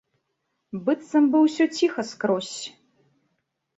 Быццам бы ўсё ціха скрозь.